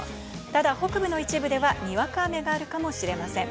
ただ北部の一部ではにわか雨があるかもしれません。